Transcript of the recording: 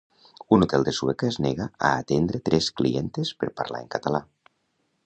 Un hotel de Sueca es nega a atendre tres clientes per parlar en català